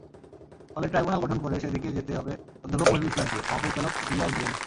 ফলে ট্রাইব্যুনাল গঠন করে সেদিকে যেতে হবেঅধ্যাপক মইনুল ইসলামসাবেক মহাপরিচালক, বিআইবিএম।